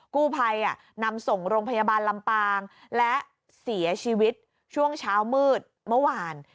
กู้ภัยนำส่งโรงพยาบาลลำปางและเสียชีวิตช่วงเช้ามืดเมื่อวาน